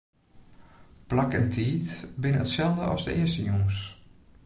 Plak en tiid binne itselde as de earste jûns.